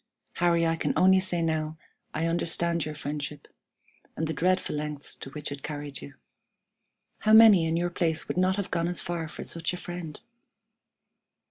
Harry, I can only say that now I understand your friendship, and the dreadful lengths to which it carried you. How many in your place would not have gone as far for such a friend?